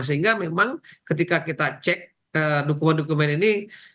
sehingga memang ketika kita cek dokumen dokumen ini